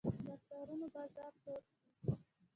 د اخترونو بازار تود وي